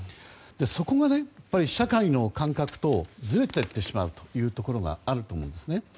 そこまで社会の感覚とずれていってしまうということがあると思うんですね。